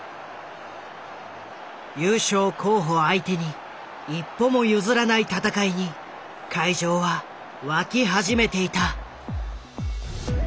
優勝候補相手に一歩も譲らない戦いに会場は沸き始めていた。